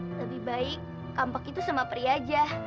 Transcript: lebih baik kampak itu sama pri saja